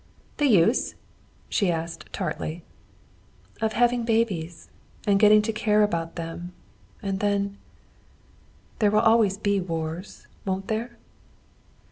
"The use?" she asked tartly. "Of having babies, and getting to care about them, and then There will always be wars, won't there?"